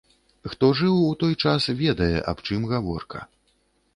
Хто жыў у той час, ведае аб чым гаворка.